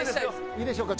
いいでしょうか？